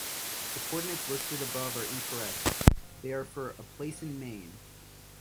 The coordinates listed above are incorrect, they are for a place in Maine.